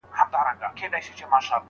يو عرف اسلامي امت ته د سرايت په حال کي دی.